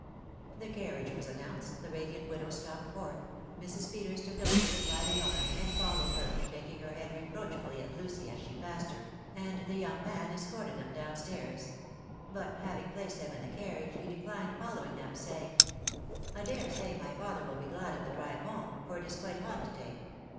Xhe carriage was annflnnonP. the radiant widow stalked forth, Mrs. Peters took ElisaUetni by .the arm, and followed her, shaking hex .head reproachfnlJr at Lucy as she passed her, and the young man escorted ibex* down stairs ; but having placed them in the carriage* .he de clined following them, saying, —" I dare say my father will be glad . of the drive home, for it is quite hot to day.